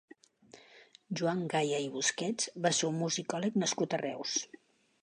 Joan Gaya i Busquets va ser un musicòleg nascut a Reus.